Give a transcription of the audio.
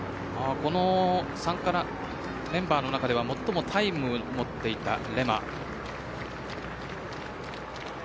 参加メンバーの中では最もタイムを持っていたレマ。